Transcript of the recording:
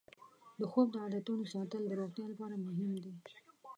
د خوب د عادتونو ساتل د روغتیا لپاره مهم دی.